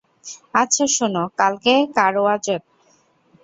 আচ্ছা শুনো, কালকে কারওয়াচত।